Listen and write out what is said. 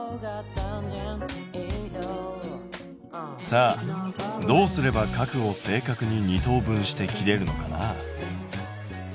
さあどうすれば角を正確に二等分して切れるのかな？